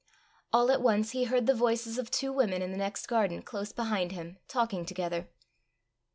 All at once he heard the voices of two women in the next garden, close behind him, talking together.